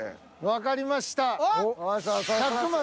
わかりました。